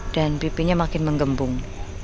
dan pipinya makin menggembung